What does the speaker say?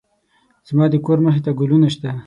زما د کور مخې ته ګلونه شته